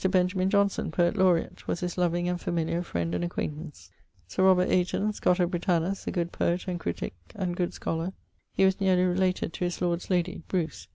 Benjamin Johnson_, Poet Laureat, was his loving and familiar friend and acquaintance. _ Aiton_, Scoto Britannus, a good poet and critique and good scholar. He was neerly related to his lord's lady (Bruce).